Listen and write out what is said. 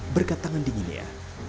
berkat tangan dinginnya